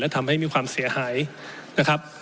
ทำให้มีความเสียหายนะครับ